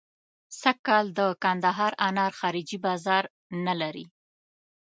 سږکال د کندهار انار خارجي بازار نه لري.